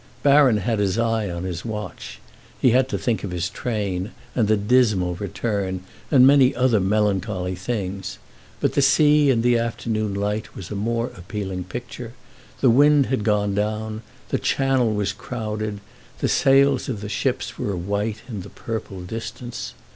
Baron had his eye on his watch—he had to think of his train and the dismal return and many other melancholy things; but the sea in the afternoon light was a more appealing picture; the wind had gone down, the Channel was crowded, the sails of the ships were white in the purple distance.